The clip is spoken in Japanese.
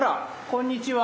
こんにちは。